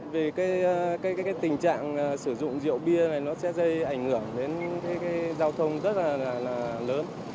vì cái tình trạng sử dụng rượu bia này nó sẽ gây ảnh hưởng đến những giao thông rất là lớn